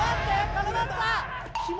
絡まった！